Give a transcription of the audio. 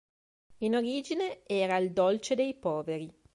In origine era il dolce dei poveri.